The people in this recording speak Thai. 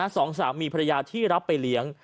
สองสามีภรรยาที่รับไปเลี้ยง